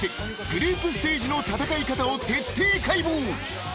［グループステージの戦い方を徹底解剖］